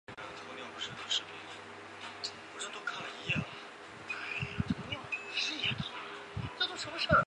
华斑盖蛛为皿蛛科盖蛛属的动物。